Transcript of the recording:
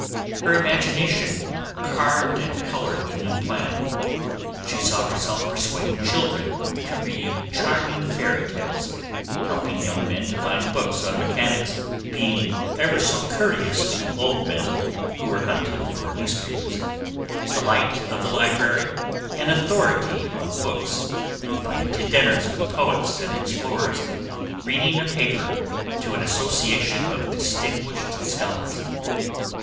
Her imagination carved and colored the new plan. She saw herself persuading children to read charming fairy tales, helping young men to find books on mechanics, being ever so courteous to old men who were hunting for newspapers the light of the library, an authority on books, invited to dinners with poets and explorers, reading a paper to an association of distinguished scholars.